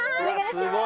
すごい。